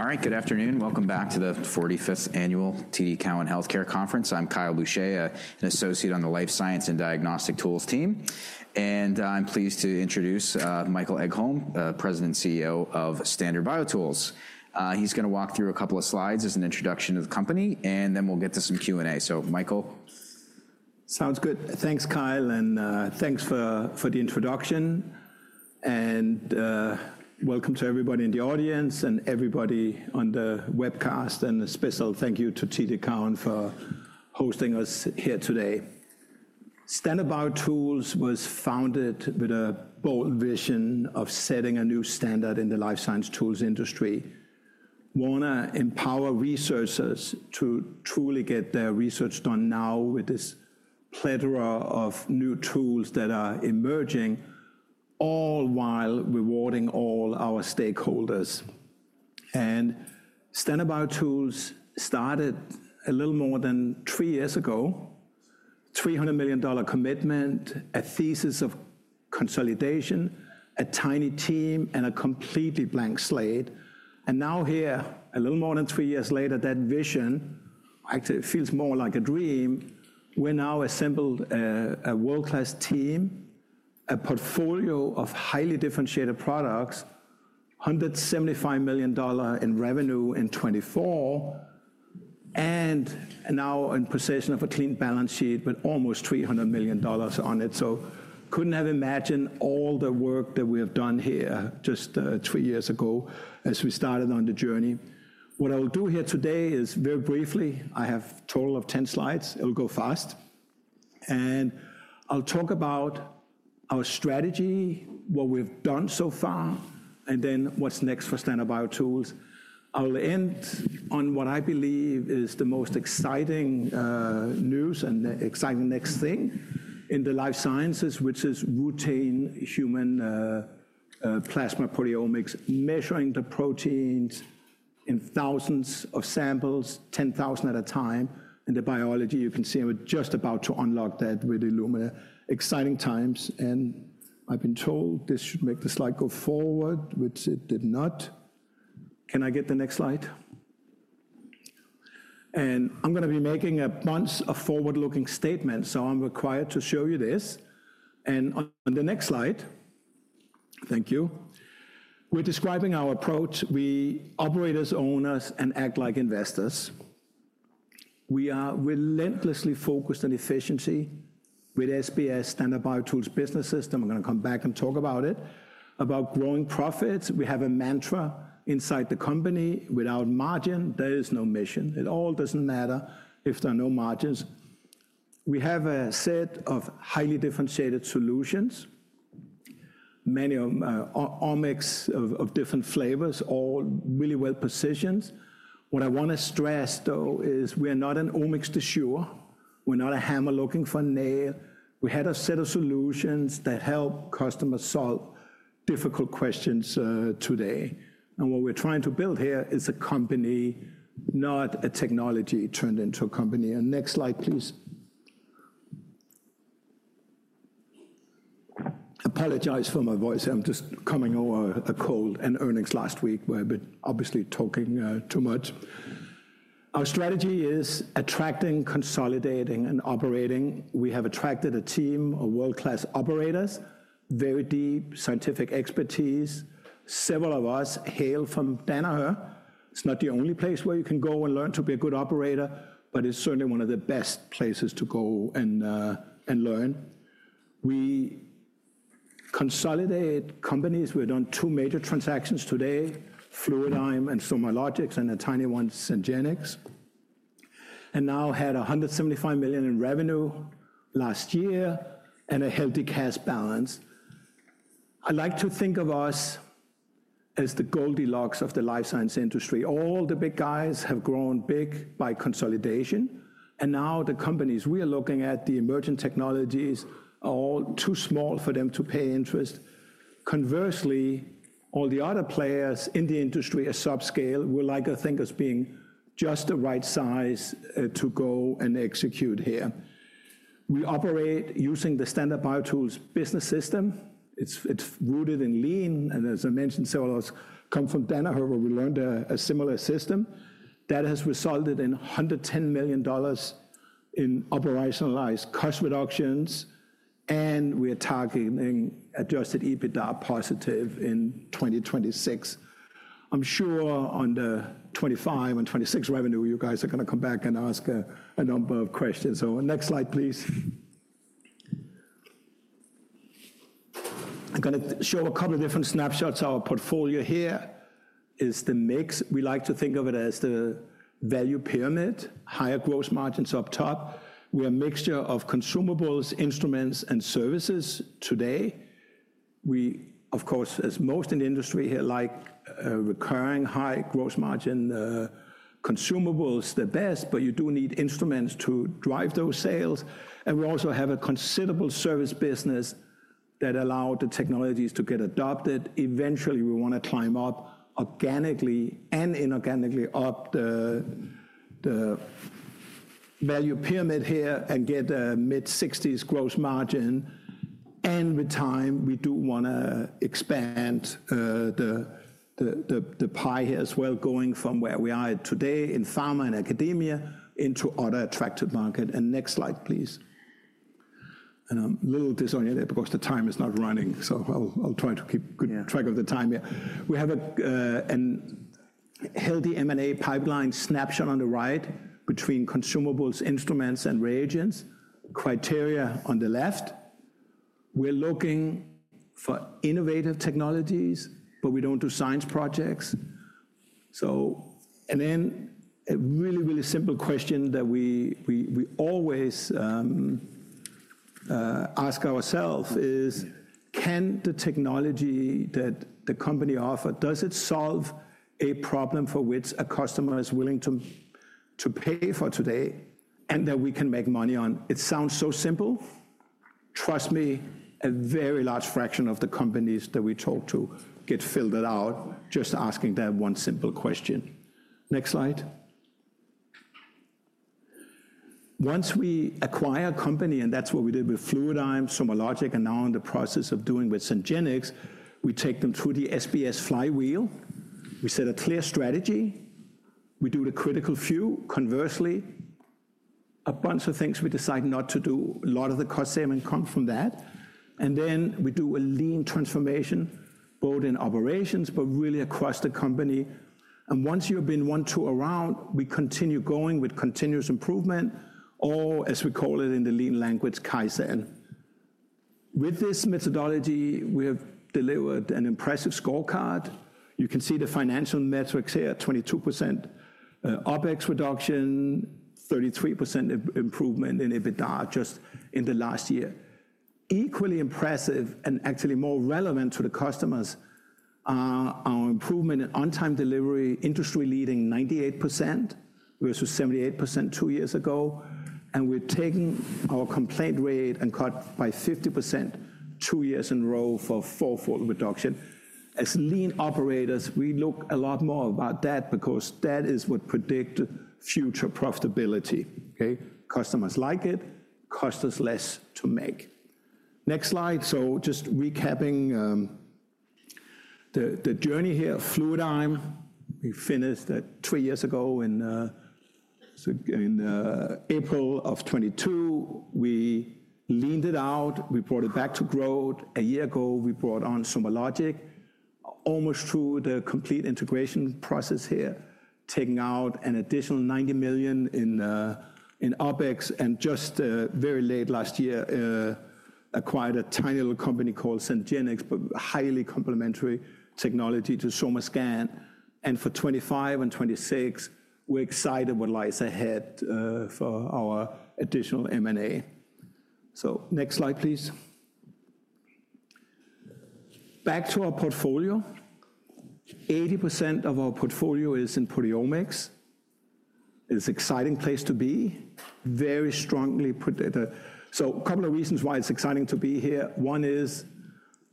All right, good afternoon. Welcome back to the 45th Annual TD Cowen Healthcare Conference. I'm Kyle Boucher, an Associate on the Life Science and Diagnostic Tools team. I'm pleased to introduce Michael Egholm, President and CEO of Standard BioTools. He's going to walk through a couple of slides as an introduction to the company, and then we'll get to some Q&A. Michael. Sounds good. Thanks, Kyle, and thanks for the introduction. Welcome to everybody in the audience and everybody on the webcast. A special thank you to TD Cowen for hosting us here today. Standard BioTools was founded with a bold vision of setting a new standard in the life science tools industry. We want to empower researchers to truly get their research done now with this plethora of new tools that are emerging, all while rewarding all our stakeholders. Standard BioTools started a little more than three years ago, a $300 million commitment, a thesis of consolidation, a tiny team, and a completely blank slate. Now here, a little more than three years later, that vision actually feels more like a dream. We're now assembled a world-class team, a portfolio of highly differentiated products, $175 million in revenue in 2024, and now in possession of a clean balance sheet with almost $300 million on it. Could not have imagined all the work that we have done here just three years ago as we started on the journey. What I'll do here today is, very briefly, I have a total of 10 slides. It'll go fast. I'll talk about our strategy, what we've done so far, and then what's next for Standard BioTools. I'll end on what I believe is the most exciting news and exciting next thing in the life sciences, which is routine human plasma proteomics, measuring the proteins in thousands of samples, 10,000 at a time. The biology, you can see I'm just about to unlock that with Illumina. Exciting times. I've been told this should make the slide go forward, which it did not. Can I get the next slide? I'm going to be making a bunch of forward-looking statements, so I'm required to show you this. On the next slide, thank you. We're describing our approach. We operate as owners and act like investors. We are relentlessly focused on efficiency with SBS Standard BioTools business system. I'm going to come back and talk about it, about growing profits. We have a mantra inside the company: without margin, there is no mission. It all doesn't matter if there are no margins. We have a set of highly differentiated solutions, many omics of different flavors, all really well positioned. What I want to stress, though, is we are not an omics de jour. We're not a hammer looking for a nail. We had a set of solutions that help customers solve difficult questions today. What we're trying to build here is a company, not a technology turned into a company. Next slide, please. Apologize for my voice. I'm just coming over a cold and earnings last week. We're obviously talking too much. Our strategy is attracting, consolidating, and operating. We have attracted a team of world-class operators, very deep scientific expertise. Several of us hail from Danaher. It's not the only place where you can go and learn to be a good operator, but it's certainly one of the best places to go and learn. We consolidate companies. We've done two major transactions today: Fluidigm and SomaLogic, and a tiny one, Sengenics. Now had $175 million in revenue last year and a healthy cash balance. I like to think of us as the Goldilocks of the life science industry. All the big guys have grown big by consolidation. Now the companies we are looking at, the emerging technologies, are all too small for them to pay interest. Conversely, all the other players in the industry at subscale we like to think as being just the right size to go and execute here. We operate using the Standard BioTools business system. It is rooted in lean. As I mentioned, several of us come from Danaher, where we learned a similar system that has resulted in $110 million in operationalized cost reductions. We are targeting adjusted EBITDA positive in 2026. I am sure on the 2025 and 2026 revenue, you guys are going to come back and ask a number of questions. Next slide, please. I am going to show a couple of different snapshots. Our portfolio here is the mix. We like to think of it as the value pyramid, higher gross margins up top. We are a mixture of consumables, instruments, and services today. We, of course, as most in the industry here, like recurring high gross margin consumables the best, but you do need instruments to drive those sales. We also have a considerable service business that allowed the technologies to get adopted. Eventually, we want to climb up organically and inorganically up the value pyramid here and get a mid-60s gross margin. With time, we do want to expand the pie here as well, going from where we are today in pharma and academia into other attractive markets. Next slide, please. I'm a little disoriented because the time is not running, so I'll try to keep good track of the time here. We have a healthy M&A pipeline snapshot on the right between consumables, instruments, and reagents, criteria on the left. We're looking for innovative technologies, but we don't do science projects. A really, really simple question that we always ask ourselves is, can the technology that the company offers, does it solve a problem for which a customer is willing to pay for today and that we can make money on? It sounds so simple. Trust me, a very large fraction of the companies that we talk to get filled out just asking that one simple question. Next slide. Once we acquire a company, and that's what we did with Fluidigm, SomaLogic, and now in the process of doing with Sengenics, we take them through the SBS Flywheel. We set a clear strategy. We do the critical few. Conversely, a bunch of things we decide not to do. A lot of the cost savings come from that. We do a lean transformation, both in operations, but really across the company. Once you've been one tour around, we continue going with continuous improvement, or as we call it in the lean language, kaizen. With this methodology, we have delivered an impressive scorecard. You can see the financial metrics here: 22% OpEx reduction, 33% improvement in EBITDA just in the last year. Equally impressive and actually more relevant to the customers are our improvement in on-time delivery, industry-leading 98% versus 78% two years ago. We are taking our complaint rate and cut by 50% two years in a row for fourfold reduction. As lean operators, we look a lot more about that because that is what predicts future profitability. Customers like it, cost us less to make. Next slide. Just recapping the journey here. Fluidigm, we finished three years ago in April of 2022. We leaned it out. We brought it back to growth. A year ago, we brought on SomaLogic, almost through the complete integration process here, taking out an additional $90 million in OpEx. Very late last year, acquired a tiny little company called Sengenics, but highly complementary technology to SomaScan. For 2025 and 2026, we're excited what lies ahead for our additional M&A. Next slide, please. Back to our portfolio. 80% of our portfolio is in proteomics. It's an exciting place to be, very strongly predicted. A couple of reasons why it's exciting to be here. One is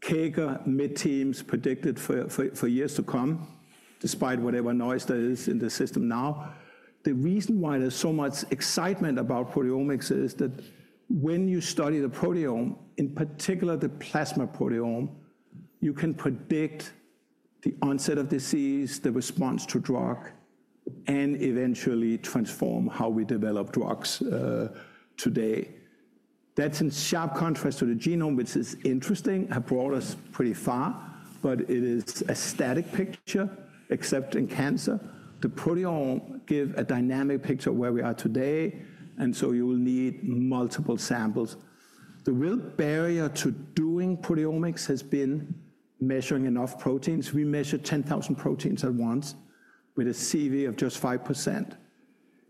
CAGR mid-teens predicted for years to come, despite whatever noise there is in the system now. The reason why there's so much excitement about proteomics is that when you study the proteome, in particular the plasma proteome, you can predict the onset of disease, the response to drug, and eventually transform how we develop drugs today. That is in sharp contrast to the genome, which is interesting, has brought us pretty far, but it is a static picture, except in cancer. The proteome gives a dynamic picture of where we are today. You will need multiple samples. The real barrier to doing proteomics has been measuring enough proteins. We measure 10,000 proteins at once with a CV of just 5%.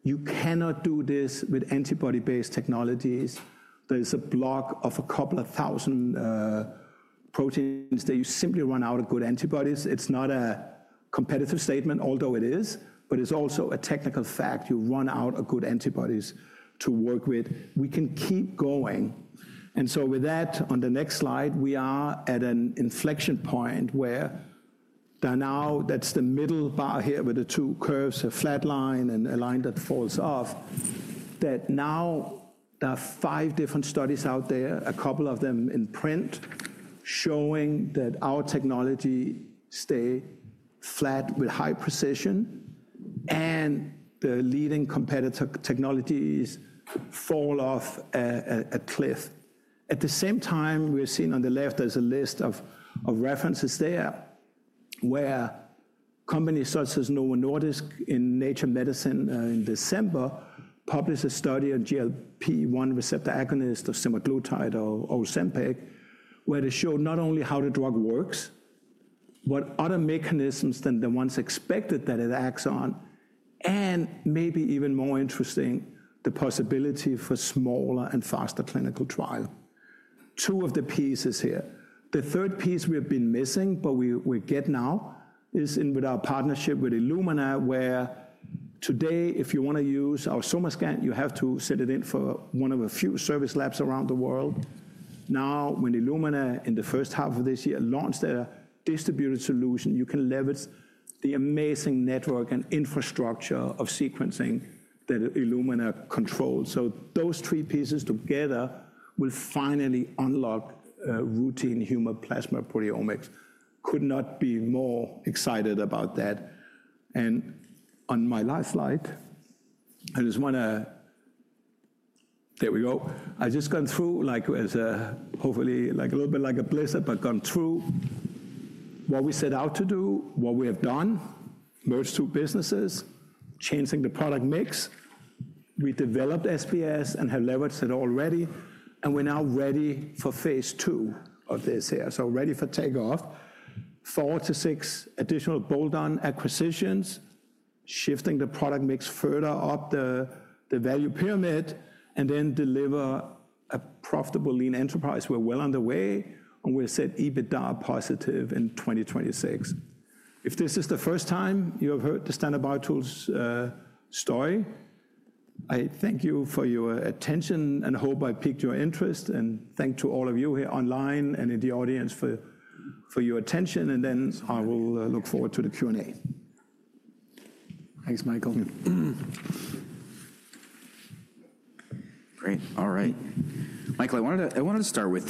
You cannot do this with antibody-based technologies. There is a block of a couple of thousand proteins that you simply run out of good antibodies. It is not a competitive statement, although it is, but it is also a technical fact. You run out of good antibodies to work with. We can keep going. With that, on the next slide, we are at an inflection point where there are now, that's the middle bar here with the two curves, a flat line and a line that falls off, that now there are five different studies out there, a couple of them in print, showing that our technology stays flat with high precision and the leading competitor technologies fall off a cliff. At the same time, we're seeing on the left, there's a list of references there where companies such as Novo Nordisk in Nature Medicine in December published a study on GLP-1 receptor agonist of semaglutide or Ozempic, where they showed not only how the drug works, but other mechanisms than the ones expected that it acts on, and maybe even more interesting, the possibility for smaller and faster clinical trial. Two of the pieces here. The third piece we have been missing, but we get now is with our partnership with Illumina, where today, if you want to use our SomaScan, you have to set it in for one of a few service labs around the world. Now, when Illumina in the first half of this year launched their distributed solution, you can leverage the amazing network and infrastructure of sequencing that Illumina controls. Those three pieces together will finally unlock routine human plasma proteomics. Could not be more excited about that. On my last slide, I just want to, there we go. I just gone through, like as a hopefully like a little bit like a blizzard, but gone through what we set out to do, what we have done, merged two businesses, changing the product mix. We developed SBS and have leveraged it already. We're now ready for phase two of this here. Ready for takeoff. Four to six additional bolt-on acquisitions, shifting the product mix further up the value pyramid, and then deliver a profitable lean enterprise. We're well on the way, and we'll set EBITDA positive in 2026. If this is the first time you have heard the Standard BioTools story, I thank you for your attention and hope I piqued your interest. Thanks to all of you here online and in the audience for your attention. I will look forward to the Q&A. Thanks, Michael. Great. All right. Michael, I wanted to start with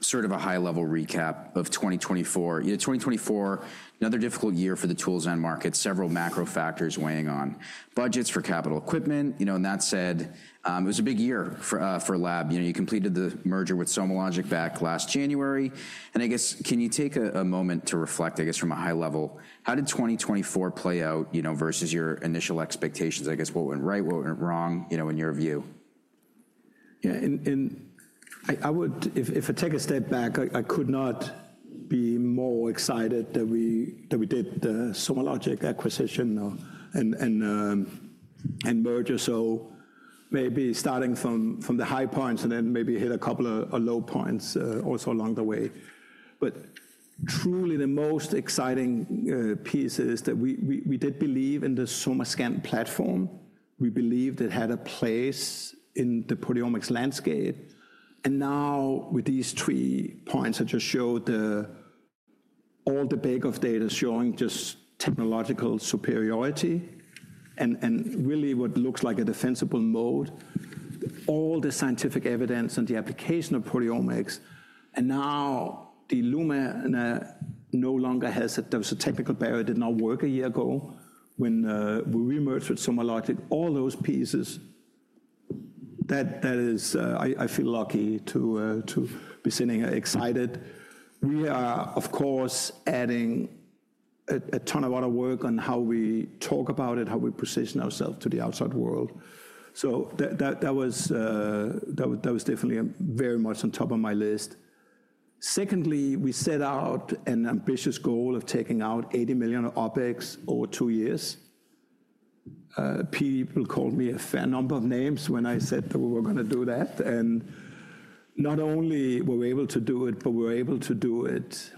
sort of a high-level recap of 2024. 2024, another difficult year for the tools and markets, several macro factors weighing on budgets for capital equipment. That said, it was a big year for Lab. You completed the merger with SomaLogic back last January. I guess, can you take a moment to reflect, I guess, from a high level, how did 2024 play out versus your initial expectations? I guess what went right, what went wrong in your view? Yeah. If I take a step back, I could not be more excited that we did the SomaLogic acquisition and merger. Maybe starting from the high points and then maybe hit a couple of low points also along the way. Truly, the most exciting piece is that we did believe in the SomaScan platform. We believed it had a place in the proteomics landscape. Now with these three points I just showed, all the big data showing just technological superiority and really what looks like a defensible moat, all the scientific evidence and the application of proteomics, and now that Illumina no longer has a technical barrier, did not work a year ago when we re-merged with SomaLogic, all those pieces, that is, I feel lucky to be sitting excited. We are, of course, adding a ton of other work on how we talk about it, how we position ourselves to the outside world. That was definitely very much on top of my list. Secondly, we set out an ambitious goal of taking out $80 million OpEx over two years. People called me a fair number of names when I said that we were going to do that. Not only were we able to do it, but we were able to do it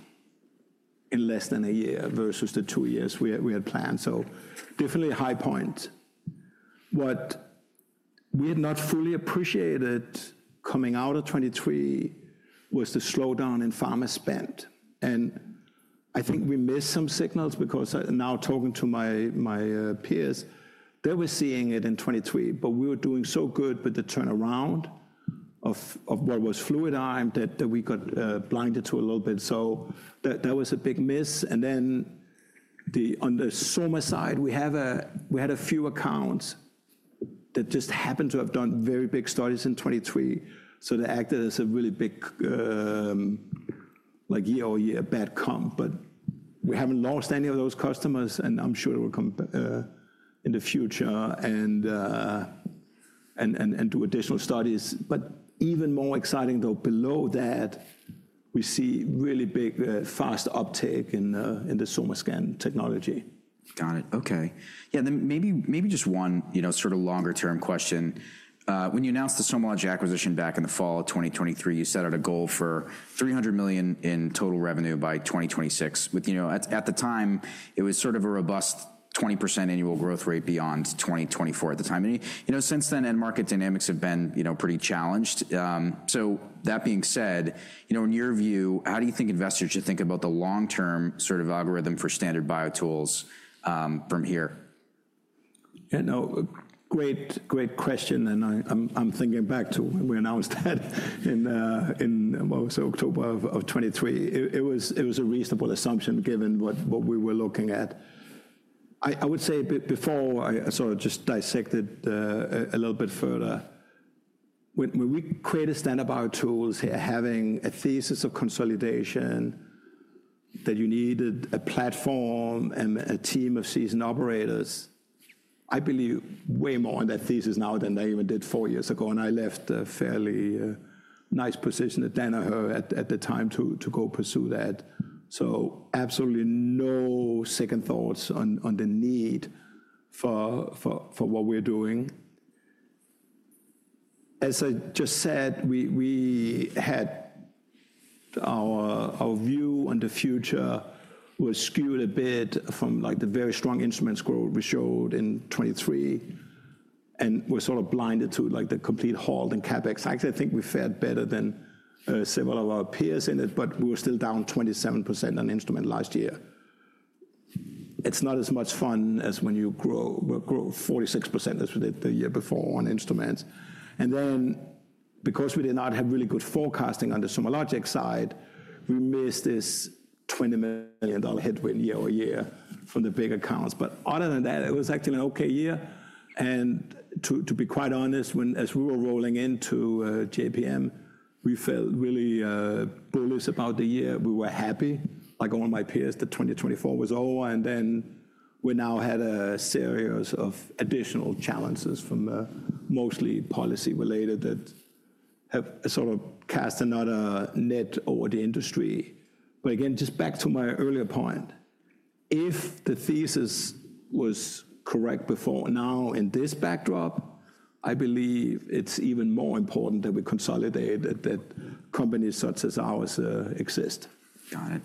in less than a year versus the two years we had planned. Definitely a high point. What we had not fully appreciated coming out of 2023 was the slowdown in pharma spend. I think we missed some signals because now talking to my peers, they were seeing it in 2023, but we were doing so good with the turnaround of what was fluid that we got blinded to a little bit. That was a big miss. On the Soma side, we had a few accounts that just happened to have done very big studies in 2023. They acted as a really big year-over-year bad comp. We have not lost any of those customers, and I am sure they will come in the future and do additional studies. Even more exciting, below that, we see really big fast uptake in the SomaScan technology. Got it. Okay. Maybe just one sort of longer-term question. When you announced the SomaLogic acquisition back in the fall of 2023, you set out a goal for $300 million in total revenue by 2026. At the time, it was a robust 20% annual growth rate beyond 2024 at the time. Since then, end market dynamics have been pretty challenged. That being said, in your view, how do you think investors should think about the long-term sort of algorithm for Standard BioTools from here? Yeah. No, great question. I am thinking back to when we announced that in October of 2023. It was a reasonable assumption given what we were looking at. I would say before I sort of just dissect it a little bit further, when we created Standard BioTools here, having a thesis of consolidation that you needed a platform and a team of seasoned operators, I believe way more in that thesis now than I even did four years ago. I left a fairly nice position at Danaher at the time to go pursue that. Absolutely no second thoughts on the need for what we are doing. As I just said, we had our view on the future was skewed a bit from the very strong instruments growth we showed in 2023, and we were sort of blinded to the complete hold in CapEx. Actually, I think we fared better than several of our peers in it, but we were still down 27% on instrument last year. It's not as much fun as when you grow 46% as we did the year before on instruments. And then because we did not have really good forecasting on the SomaLogic side, we missed this $20 million headwind year over year from the big accounts. Other than that, it was actually an okay year. To be quite honest, as we were rolling into JPM, we felt really bullish about the year. We were happy, like all my peers, that 2024 was over. We now had a series of additional challenges from mostly policy related that have sort of cast another net over the industry. Again, just back to my earlier point, if the thesis was correct before, now in this backdrop, I believe it is even more important that we consolidate, that companies such as ours exist. Got it.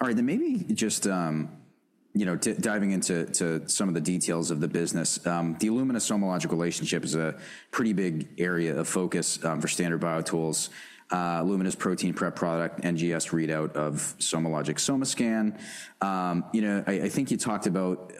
All right. Maybe just diving into some of the details of the business, the Illumina-SomaLogic relationship is a pretty big area of focus for Standard BioTools, Illumina's protein prep product, NGS readout of SomaLogic SomaScan. I think you talked about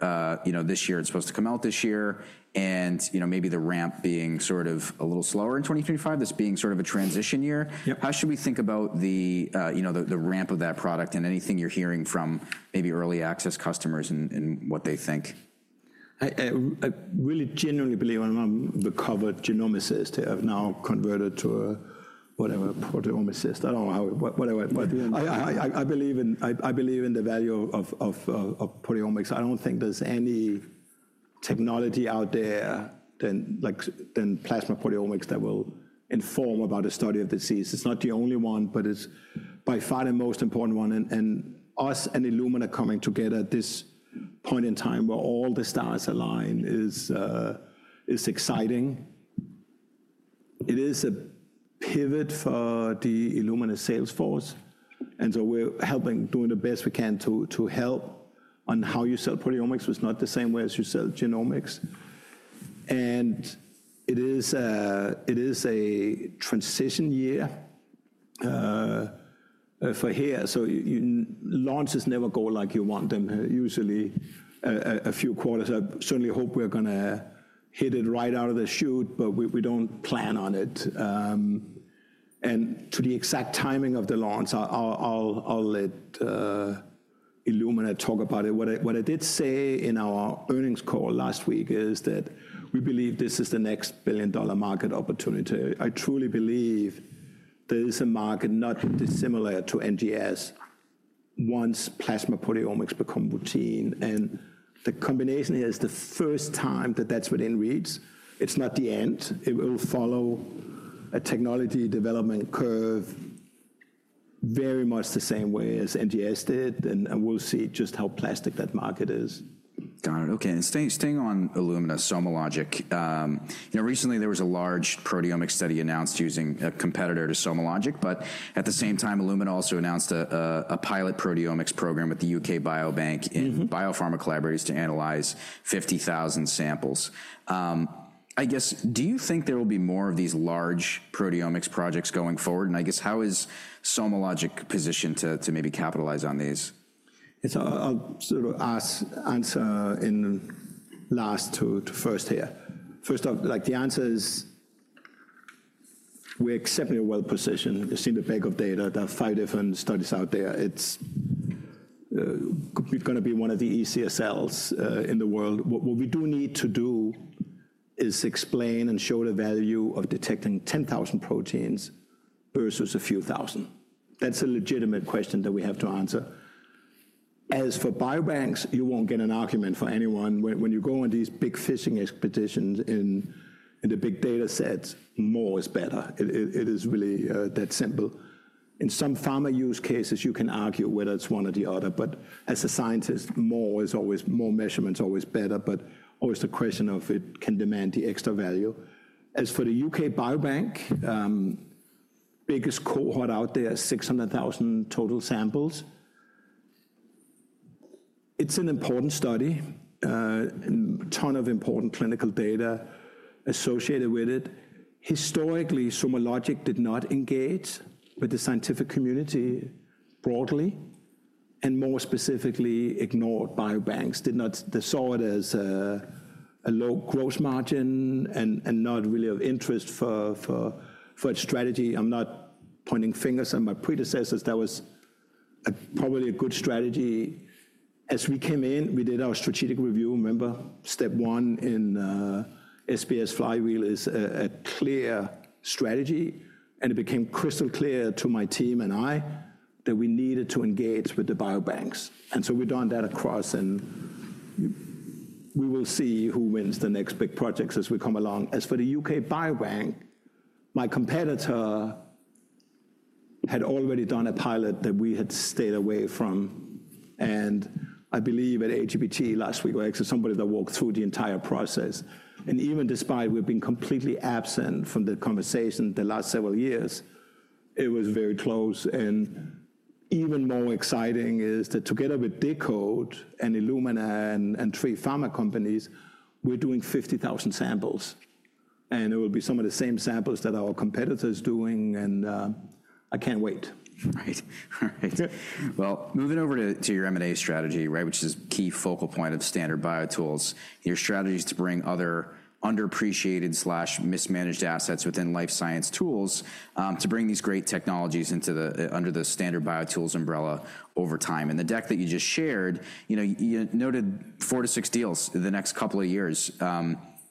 this year, it is supposed to come out this year, and maybe the ramp being sort of a little slower in 2025, this being sort of a transition year. How should we think about the ramp of that product and anything you're hearing from maybe early access customers and what they think? I really genuinely believe I'm the covered genomicist who have now converted to whatever proteomicist. I don't know what I went by the end. I believe in the value of proteomics. I don't think there's any technology out there than plasma proteomics that will inform about a study of disease. It's not the only one, but it's by far the most important one. Us and Illumina coming together at this point in time where all the stars align is exciting. It is a pivot for the Illumina sales force. We are helping, doing the best we can to help on how you sell proteomics, which is not the same way as you sell genomics. It is a transition year for here. Launches never go like you want them. Usually, a few quarters. I certainly hope we're going to hit it right out of the chute, but we don't plan on it. To the exact timing of the launch, I'll let Illumina talk about it. What I did say in our earnings call last week is that we believe this is the next billion-dollar market opportunity. I truly believe there is a market not dissimilar to NGS once plasma proteomics become routine. The combination here is the first time that that's within reach. It's not the end. It will follow a technology development curve very much the same way as NGS did. We'll see just how plastic that market is. Got it. Okay. Staying on Illumina-SomaLogic, recently there was a large proteomics study announced using a competitor to SomaLogic, but at the same time, Illumina also announced a pilot proteomics program with the U.K. Biobank in biopharma collaborators to analyze 50,000 samples. I guess, do you think there will be more of these large proteomics projects going forward? I guess, how is SomaLogic positioned to maybe capitalize on these? I'll sort of answer in last to first here. First off, the answer is we're exceptionally well positioned. You've seen the bag of data. There are five different studies out there. It's going to be one of the easiest sales in the world. What we do need to do is explain and show the value of detecting 10,000 proteins versus a few thousand. That's a legitimate question that we have to answer. As for biobanks, you won't get an argument for anyone. When you go on these big fishing expeditions in the big data sets, more is better. It is really that simple. In some pharma use cases, you can argue whether it's one or the other. As a scientist, more is always more, measurement is always better, but always the question of if it can demand the extra value. As for the U.K. Biobank, biggest cohort out there, 600,000 total samples. It's an important study, a ton of important clinical data associated with it. Historically, SomaLogic did not engage with the scientific community broadly and more specifically ignored biobanks. They saw it as a low gross margin and not really of interest for its strategy. I'm not pointing fingers at my predecessors. That was probably a good strategy. As we came in, we did our strategic review. Remember, step one in SBS Flywheel is a clear strategy. It became crystal clear to my team and I that we needed to engage with the biobanks. We have done that across. We will see who wins the next big projects as we come along. As for the U.K. Biobank, my competitor had already done a pilot that we had stayed away from. I believe at AGBT last week, I actually saw somebody that walked through the entire process. Even despite we've been completely absent from the conversation the last several years, it was very close. Even more exciting is that together with deCODE and Illumina and three pharma companies, we are doing 50,000 samples. It will be some of the same samples that our competitor is doing. I can't wait. Right. Right. Moving over to your M&A strategy, which is a key focal point of Standard BioTools, your strategy is to bring other underappreciated/mismanaged assets within life science tools to bring these great technologies under the Standard BioTools umbrella over time. In the deck that you just shared, you noted four to six deals in the next couple of years.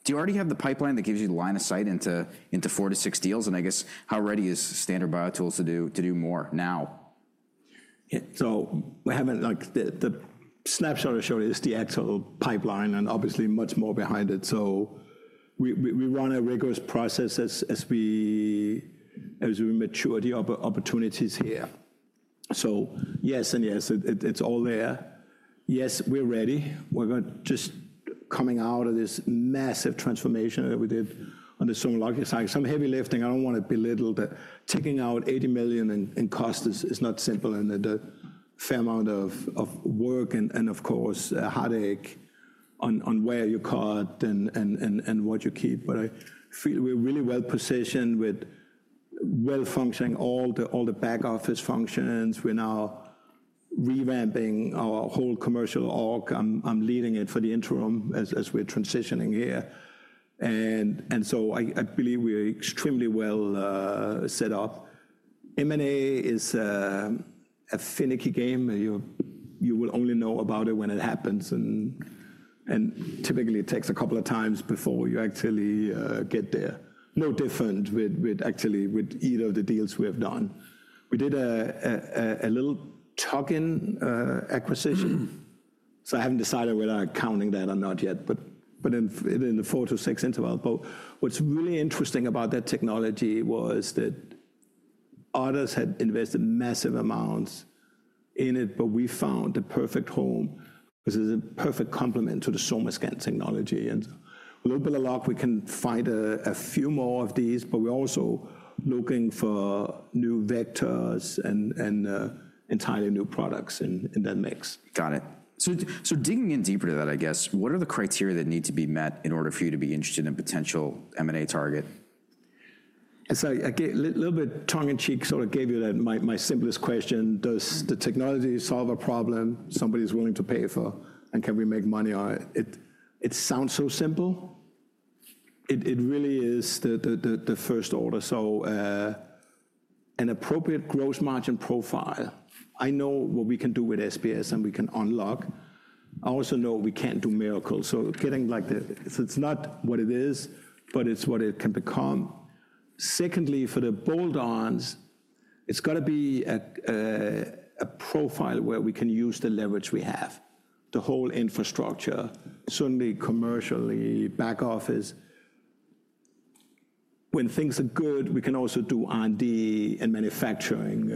Do you already have the pipeline that gives you the line of sight into four to six deals? I guess, how ready is Standard BioTools to do more now? Yeah. The snapshot I showed is the actual pipeline and obviously much more behind it. We run a rigorous process as we mature the opportunities here. Yes and yes, it is all there. Yes, we are ready. We are just coming out of this massive transformation that we did on the SomaLogic side. Some heavy lifting, I don't want to belittle that. Taking out $80 million in cost is not simple and a fair amount of work and, of course, heartache on where you cut and what you keep. I feel we're really well positioned with well functioning all the back office functions. We're now revamping our whole commercial arc. I'm leading it for the interim as we're transitioning here. I believe we are extremely well set up. M&A is a finicky game. You will only know about it when it happens. Typically, it takes a couple of times before you actually get there. No different with actually with either of the deals we have done. We did a little token acquisition. I haven't decided whether I'm counting that or not yet, but in the four to six interval. What's really interesting about that technology was that others had invested massive amounts in it, but we found the perfect home because it's a perfect complement to the SomaScan technology. A little bit of luck, we can find a few more of these, but we're also looking for new vectors and entirely new products in that mix. Got it. Digging in deeper to that, I guess, what are the criteria that need to be met in order for you to be interested in a potential M&A target? A little bit tongue in cheek, sort of gave you my simplest question. Does the technology solve a problem somebody is willing to pay for and can we make money on it? It sounds so simple. It really is the first order. An appropriate gross margin profile, I know what we can do with SBS and we can unlock. I also know we can't do miracles. Getting like the so it's not what it is, but it's what it can become. Secondly, for the bolt-ons, it's got to be a profile where we can use the leverage we have, the whole infrastructure, certainly commercially, back office. When things are good, we can also do R&D and manufacturing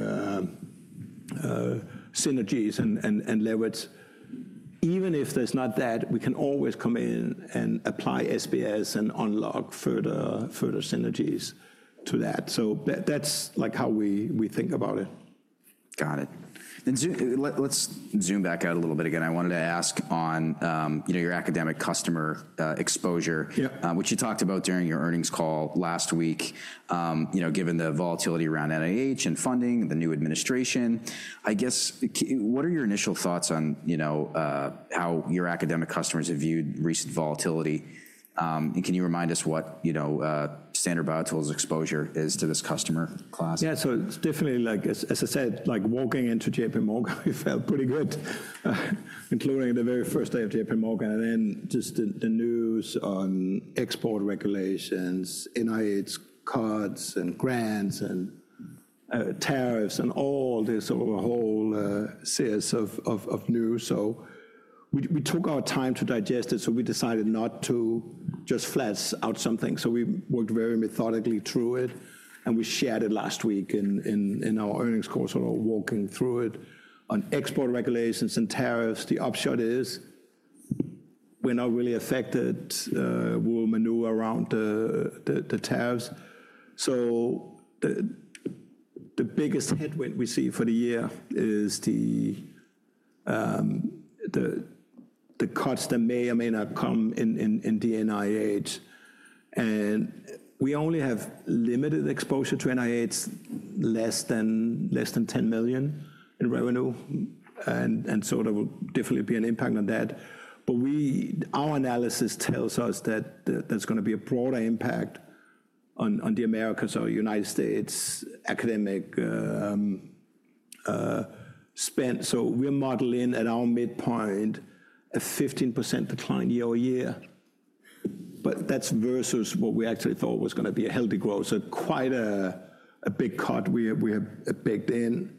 synergies and leverage. Even if there's not that, we can always come in and apply SBS and unlock further synergies to that. That's how we think about it. Got it. Let's zoom back out a little bit again. I wanted to ask on your academic customer exposure, which you talked about during your earnings call last week, given the volatility around NIH and funding, the new administration. I guess, what are your initial thoughts on how your academic customers have viewed recent volatility? And can you remind us what Standard BioTools exposure is to this customer class? Yeah. It's definitely, as I said, walking into JPMorgan, we felt pretty good, including the very first day of JPMorgan. Just the news on export regulations, NIH cuts and grants and tariffs and all this sort of whole series of news. We took our time to digest it. We decided not to just flesh out something. We worked very methodically through it. We shared it last week in our earnings call, sort of walking through it on export regulations and tariffs. The upshot is we're not really affected. We'll maneuver around the tariffs. The biggest headwind we see for the year is the cuts that may or may not come in the NIH. We only have limited exposure to NIH, less than $10 million in revenue. There will definitely be an impact on that. Our analysis tells us that there is going to be a broader impact on the Americas or U.S. academic spend. We are modeling at our midpoint a 15% decline year over year. That is versus what we actually thought was going to be a healthy growth. Quite a big cut we have baked in.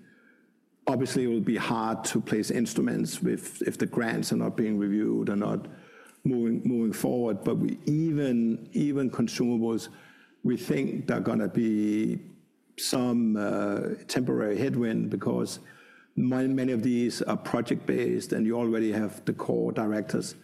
Obviously, it will be hard to place instruments if the grants are not being reviewed or not moving forward. Even consumables, we think there are going to be some temporary headwind because many of these are project-based and you already have the core directors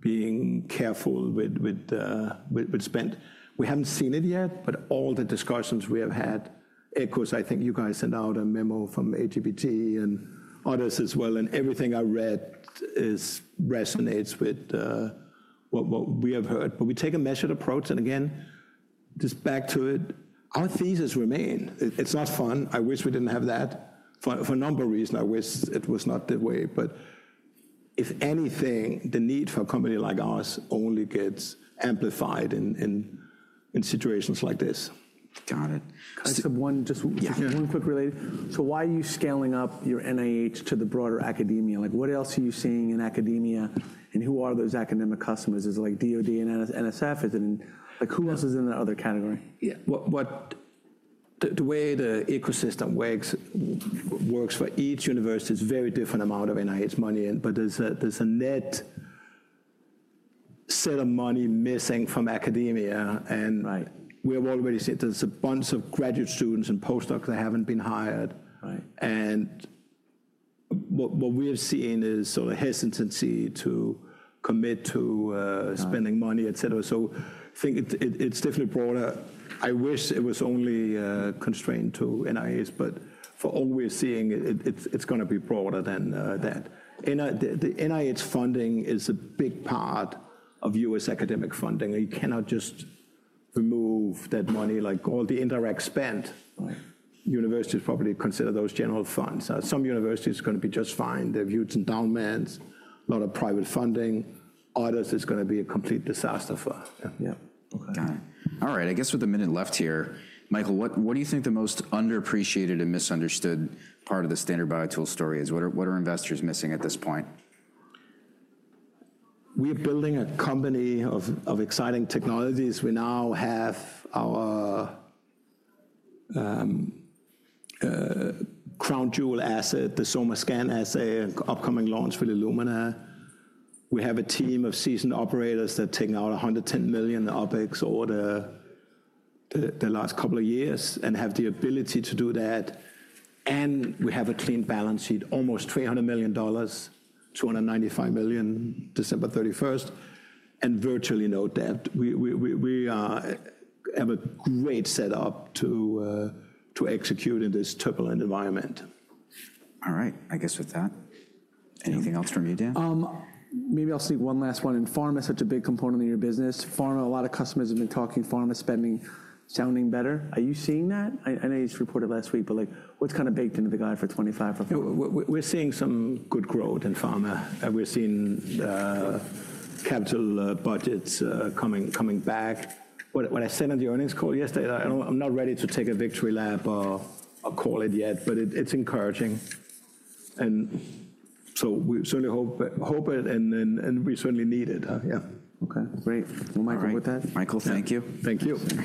being careful with spend. We haven't seen it yet, but all the discussions we have had echoes. I think you guys sent out a memo from AGBT and others as well. Everything I read resonates with what we have heard. We take a measured approach. Again, just back to it, our thesis remains. It's not fun. I wish we didn't have that. For a number of reasons, I wish it was not that way. If anything, the need for a company like ours only gets amplified in situations like this. Got it. Just one quick related. Why are you scaling up your NIH to the broader academia? What else are you seeing in academia? Who are those academic customers? Is it like DOD and NSF? Who else is in the other category? Yeah. The way the ecosystem works for each university is very different amount of NIH money. There's a net set of money missing from academia. We have already seen there's a bunch of graduate students and postdocs that haven't been hired. What we have seen is sort of hesitancy to commit to spending money, etc. I think it's definitely broader. I wish it was only constrained to NIH, but for all we are seeing, it's going to be broader than that. The NIH funding is a big part of U.S. academic funding. You cannot just remove that money. All the indirect spend, universities probably consider those general funds. Some universities are going to be just fine. They've used endowments, a lot of private funding. Others is going to be a complete disaster for. Yeah. Okay. Got it. All right. I guess with a minute left here, Michael, what do you think the most underappreciated and misunderstood part of the Standard BioTools story is? What are investors missing at this point? We are building a company of exciting technologies. We now have our crown jewel asset, the SomaScan asset, upcoming launch with Illumina. We have a team of seasoned operators that are taking out $110 million OpEx over the last couple of years and have the ability to do that. We have a clean balance sheet, almost $300 million, $295 million December 31st. Virtually note that we have a great setup to execute in this turbulent environment. All right. I guess with that, anything else from you, Dan? Maybe I'll sneak one last one. In pharma, such a big component in your business. Pharma, a lot of customers have been talking pharma spending sounding better. Are you seeing that? I know you just reported last week, but what's kind of baked into the guide for 25 or 40? We're seeing some good growth in pharma. We're seeing capital budgets coming back. When I sat on the earnings call yesterday, I'm not ready to take a victory lap or call it yet, but it's encouraging. We certainly hope it, and we certainly need it. Yeah. Okay. Great. We'll migrate with that. Michael, thank you. Thank you.